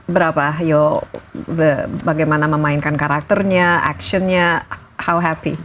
berapa you bagaimana memainkan karakternya actionnya how happy